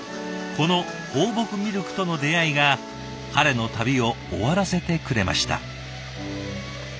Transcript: この放牧ミルクとの出会いが彼の旅を終わらせてくれました。